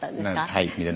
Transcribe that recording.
はい。